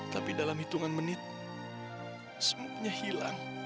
tapi dalam hitungan menit smupnya hilang